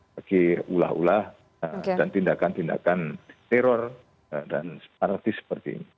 bagi ulah ulah dan tindakan tindakan teror dan separatis seperti ini